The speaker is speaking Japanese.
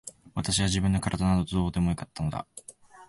私は自分の体などどうでもよかったのだ。